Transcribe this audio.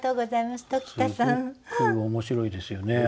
すごく面白いですよね。